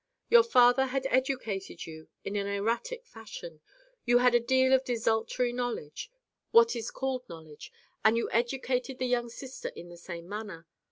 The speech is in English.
Your father had educated you in an erratic fashion. You had a deal of desultory knowledge what is called knowledge and you educated the young sister in the same manner.